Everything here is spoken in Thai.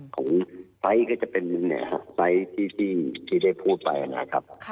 ของไฟล์ก็จะเป็นไฟล์ที่ได้พูดไปนะครับ